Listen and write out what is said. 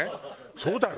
そうだろ？